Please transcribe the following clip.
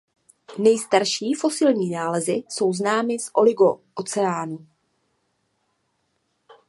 Nejstarší fosilní nálezy jsou známy z oligocénu.